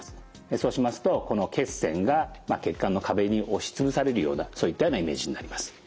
そうしますとこの血栓が血管の壁に押し潰されるようなそういったようなイメージになります。